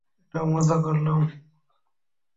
এটাও মজা করলাম।